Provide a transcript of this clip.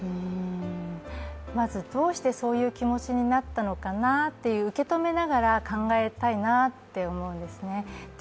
まず、どうしてそういう気持ちになったのかなっていう、受け止めながら考えたいなって思うんですね。